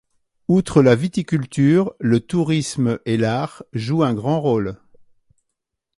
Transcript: Outre la viticulture, le tourisme et l'art jouent un grand rôle.